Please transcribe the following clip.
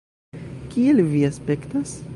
Kiel vi aspektas?